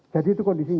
jadi itu kondisinya